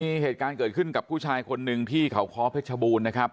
มีเหตุการณ์เกิดขึ้นกับผู้ชายคนหนึ่งที่เขาค้อเพชรบูรณ์นะครับ